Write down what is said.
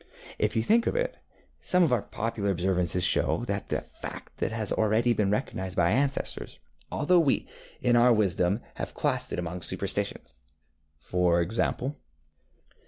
If you think of it, some of our popular observances show that the fact has already been recognized by our ancestors, although we, in our wisdom, have classed it among superstitions. ŌĆØ ŌĆ£For example?